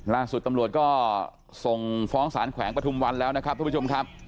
ล่าสุดตำรวจก็ส่งฟ้องสารแขวงปฐุมวันแล้วนะครับทุกผู้ชมครับ